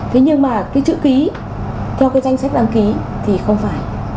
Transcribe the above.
thế nhưng mà cái chữ ký theo cái danh sách đăng ký thì không phải